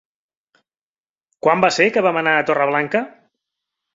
Quan va ser que vam anar a Torreblanca?